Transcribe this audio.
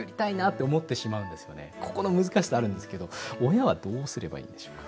ここの難しさあるんですけど親はどうすればいいんでしょうか。